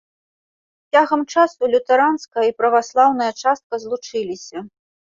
З цягам часу лютэранская і праваслаўная частка злучыліся.